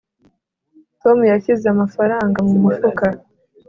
tom yashyize amafaranga mu mufuka